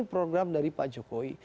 program dari pak jokowi